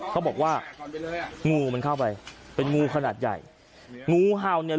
เขาบอกว่างูมันเข้าไปเป็นงูขนาดใหญ่งูเห่าเนี่ย